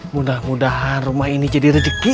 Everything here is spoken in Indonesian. mudah mudahan rumah ini jadi rezeki